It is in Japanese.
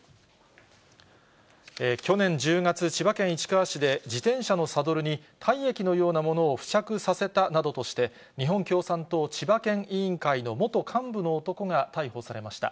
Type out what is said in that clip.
去年１０月、千葉県市川市で自転車のサドルに体液のようなものを付着させたなどとして、日本共産党千葉県委員会の元幹部の男が逮捕されました。